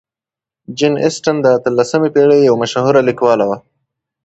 جین اسټن د اتلسمې پېړۍ یو مشهورې لیکواله وه.